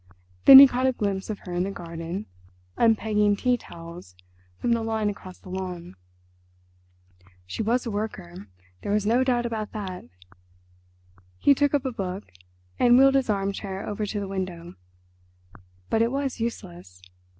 Then he caught a glimpse of her in the garden, unpegging tea towels from the line across the lawn. She was a worker, there was no doubt about that. He took up a book, and wheeled his arm chair over to the window. But it was useless.